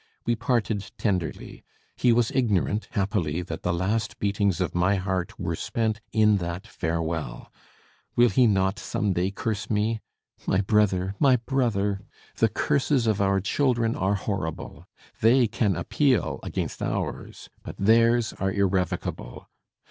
We parted tenderly. He was ignorant, happily, that the last beatings of my heart were spent in that farewell. Will he not some day curse me? My brother, my brother! the curses of our children are horrible; they can appeal against ours, but theirs are irrevocable.